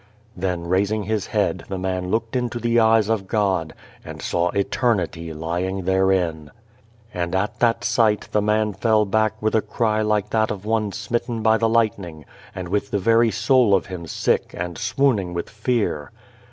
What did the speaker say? Then raising his head the man looked into the eyes of God, and saw eternity lying therein. And at that sight the man fell back with a cry like that of one smitten by the light ning, and with the very soul of him sick and swooning with fear.